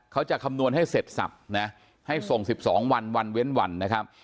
คำนวณให้เสร็จสับนะให้ส่ง๑๒วันวันเว้นวันนะครับ